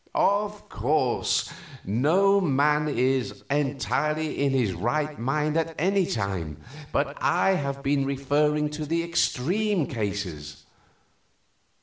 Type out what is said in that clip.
Of course, no man is entirely in his right mind at any time, but I have been referring to the extreme cases.